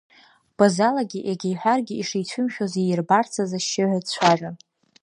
Базалагьы иага иҳәаргьы ишицәымшәоз иирбарц азы ашьшьыҳәа дцәажәон.